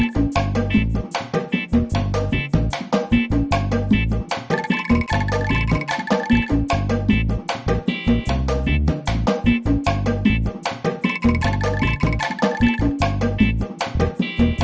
s relacionnya keren